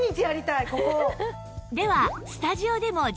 ではスタジオでも実演